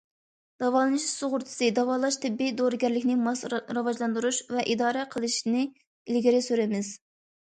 داۋالىنىش سۇغۇرتىسى، داۋالاش، تېببىي دورىگەرلىكنى ماس راۋاجلاندۇرۇش ۋە ئىدارە قىلىشنى ئىلگىرى سۈرىمىز.